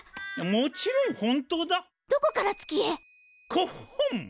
こっほん。